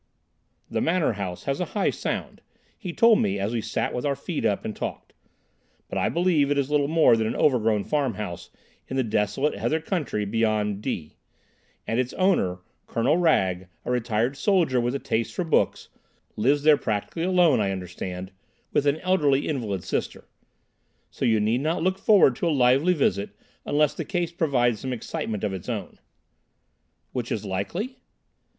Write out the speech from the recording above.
"The Manor House has a high sound," he told me, as we sat with our feet up and talked, "but I believe it is little more than an overgrown farmhouse in the desolate heather country beyond D——, and its owner, Colonel Wragge, a retired soldier with a taste for books, lives there practically alone, I understand, with an elderly invalid sister. So you need not look forward to a lively visit, unless the case provides some excitement of its own." "Which is likely?"